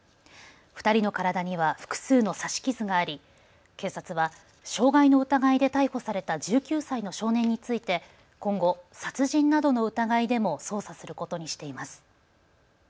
２人の体には複数の刺し傷があり警察は傷害の疑いで逮捕された１９歳の少年について今後、殺人などの疑いでも捜査することにしています。